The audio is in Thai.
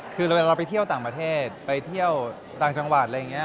คือเราไปเที่ยวต่างประเทศไปเที่ยวต่างจังหวัดอะไรอย่างนี้